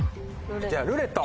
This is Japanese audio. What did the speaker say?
じゃあ「ルーレット」！